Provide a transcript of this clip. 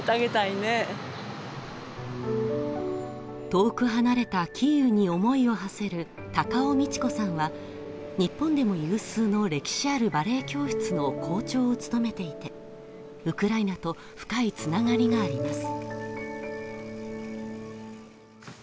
遠く離れたキーウに思いをはせる高尾美智子さんは、日本でも有数の歴史あるバレエ教室の校長を務めていてウクライナと深いつながりがあります。